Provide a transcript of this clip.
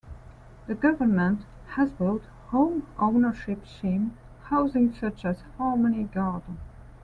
The government has built Home Ownership Scheme housing such as Harmony Garden.